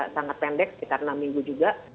sangat pendek sekitar enam minggu juga